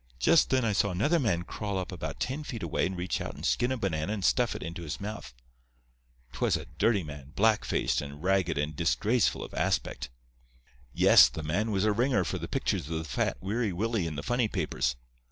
Just then I saw another man crawl up about ten feet away and reach out and skin a banana and stuff it into his mouth. 'Twas a dirty man, black faced and ragged and disgraceful of aspect. Yes, the man was a ringer for the pictures of the fat Weary Willie in the funny papers.